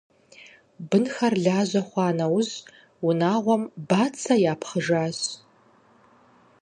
Бынхэр лажьэ хъуа нэужь, унагъуэм бацэ япхъыжащ.